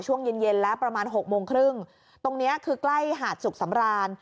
ช่วงเย็นเย็นแล้วประมาณหกโมงครึ่งตรงเนี้ยคือใกล้หาดสุขสำราน